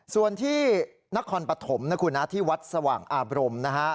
ส่วนที่นครปฐมนะคุณนะที่วัดสว่างอาบรมนะฮะ